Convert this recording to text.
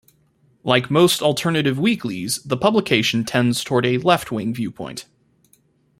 Like most alternative weeklies, the publication tends toward a left-wing viewpoint.